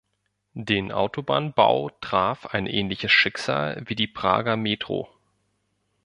Den Autobahnbau traf ein ähnliches Schicksal wie die Prager Metro.